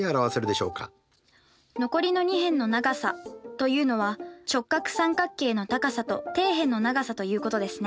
残りの２辺の長さというのは直角三角形の高さと底辺の長さということですね。